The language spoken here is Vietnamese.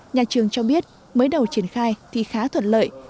nhà trường cho biết mới đầu triển khai thì khá thuận lợi